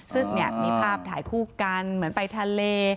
ซึ่งมีภาพถ่ายคู่กันเหมือนไปทะเล